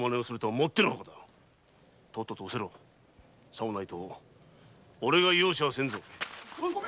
さもないとおれが容赦はせんぞ。